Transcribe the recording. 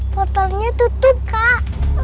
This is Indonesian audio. portalnya tutup kak